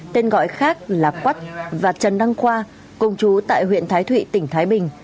tên gọi khác là quắt và trần đăng khoa cùng chú tại huyện thái thụy tỉnh thái bình